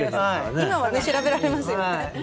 今は調べられますよね。